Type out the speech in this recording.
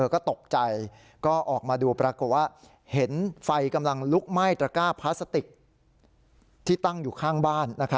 ก็ตกใจก็ออกมาดูปรากฏว่าเห็นไฟกำลังลุกไหม้ตระก้าพลาสติกที่ตั้งอยู่ข้างบ้าน